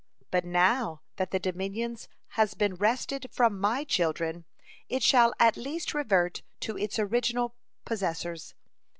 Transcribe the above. But now that the dominions has been wrested from My children, it shall at least revert to its original possessors.